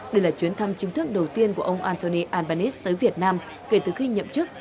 đây là chuyến thăm chính thức đầu tiên của ông antony albanese tới việt nam kể từ khi nhậm chức